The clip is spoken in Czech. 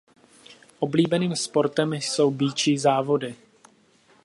Oblíbeným sportem jsou býčí závody.